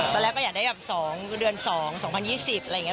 ตอนแรกก็อยากได้แบบ๒เดือน๒๒๐๒๐อะไรอย่างนี้